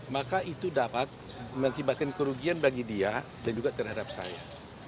maka itu dapat mengakibatkan kerugian bagi dia dan juga terhadap saya